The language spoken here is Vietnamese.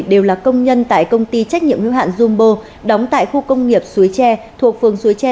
đều là công nhân tại công ty trách nhiệm hữu hạn jumbo đóng tại khu công nghiệp suối tre